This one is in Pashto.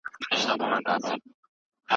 هغوی خپلو دښمنانو ته سخته ماتې ورکړه.